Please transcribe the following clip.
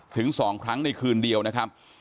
ถึง๒ครั้งในคืนเดียวนะครับ